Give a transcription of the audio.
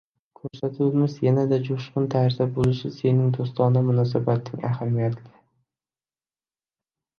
ko‘rsatuvimiz yanada jo‘shqin tarzda bo‘lishi sening do‘stona munosabating ahamiyatli.